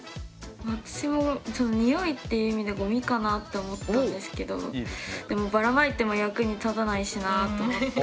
私も臭いっていう意味でごみかなって思ったんですけどでもばらまいても役に立たないしなと思って。